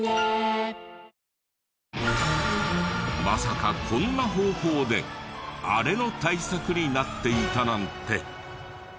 ＪＴまさかこんな方法であれの対策になっていたなんて。